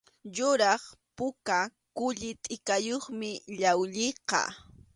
Yuraq puka kulli tʼikayuqmi llawlliqa.